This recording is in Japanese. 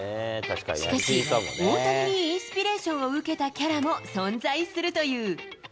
しかし、大谷にインスピレーションを受けたキャラも存在するという。